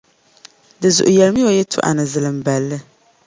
Din zuɣu yεlimi ya o yɛltɔɣa ni zilimballi.